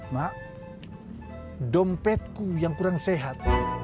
mak dompetku yang kurang sehat